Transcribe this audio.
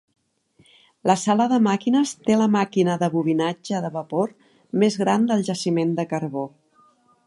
La sala de màquines té la màquina de bobinatge de vapor més gran del jaciment de carbó.